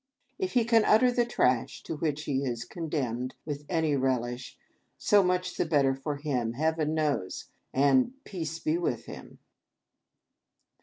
If he can utter the trash to which he is condemned, with any relish, so much the better for him, Heaven knows; and peace be with him!